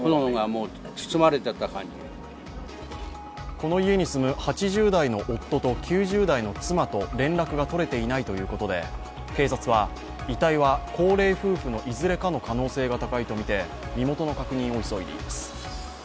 この家に住む８０代の夫と９０代の妻と連絡が取れていないということで警察は、遺体は高齢夫婦のいずれかの可能性が高いとみて、身元の確認を急いでいます。